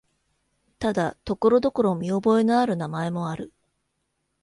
ただ、ところどころ見覚えのある名前もある。